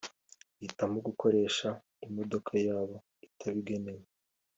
ihitamo gukoresha imodoka yabo itabigenewe